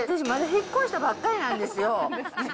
まだ引っ越したばっかりなんですよ。